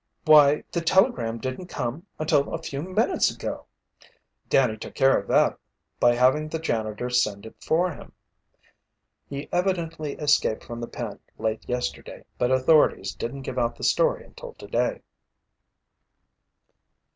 "Why, the telegram didn't come until a few minutes ago!" "Danny took care of that by having the janitor send it for him. He evidently escaped from the pen late yesterday, but authorities didn't give out the story until today."